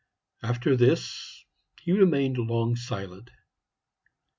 After this he remained long silent.